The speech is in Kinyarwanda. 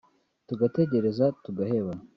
tugategereza tugaheba